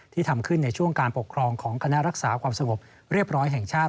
ทำขึ้นในช่วงการปกครองของคณะรักษาความสงบเรียบร้อยแห่งชาติ